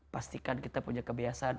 pastikan kita punya kebiasaan